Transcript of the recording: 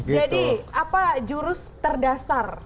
jadi apa jurus terdasar